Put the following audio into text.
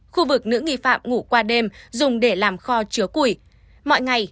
khu vực nữ nghi phạm ngủ qua đêm dùng để làm kho chứa củi